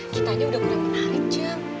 kitanya udah kurang menarik jeng